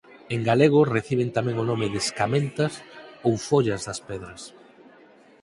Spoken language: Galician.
En galego reciben tamén o nome de escamentas ou follas das pedras.